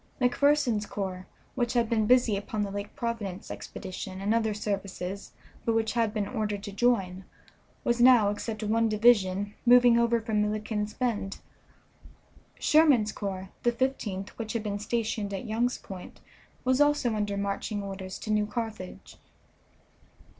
McPherson's corps, which had been busy upon the Lake Providence expedition and other services, but which had been ordered to join, was now, except one division, moving over from Milliken's Bend. Sherman's corps, the Fifteenth, which had been stationed at Young's Point, was also under marching orders to New Carthage.